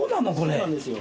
そうなんですよ。